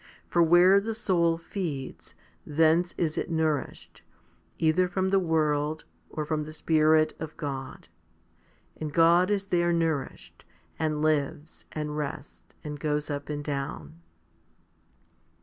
For where the soul feeds, thence is it nourished, either from the world, or from the Spirit of God ; and God is there nourished, and lives, and rests, and goes up and down.